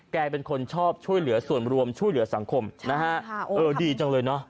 เป็นคนชอบช่วยเหลือส่วนรวมช่วยเหลือสังคมนะฮะเออดีจังเลยเนอะ